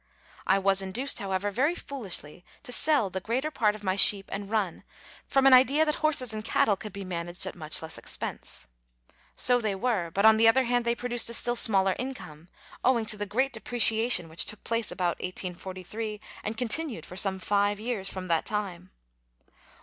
I was induced, however, very foolishly to sell the greater part of my sheep and run, from an idea that horses and cattle could be man aged at much less expense. So they were, but, on the other hand, they produced a still smaller income, owing to the great deprecia tion which took place about 1843, and continued for some five years from that time.